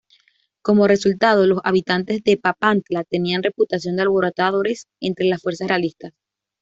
Como resultado los habitantes de Papantla tenían reputación de alborotadores entre las fuerzas realistas.